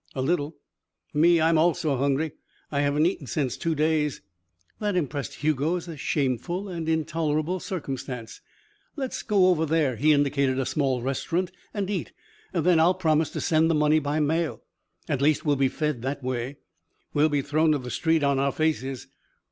"A little." "Me I am also hungry. I have not eaten since two days." That impressed Hugo as a shameful and intolerable circumstance. "Let's go over there" he indicated a small restaurant "and eat. Then I'll promise to send the money by mail. At least, we'll be fed that way." "We will be thrown to the street on our faces."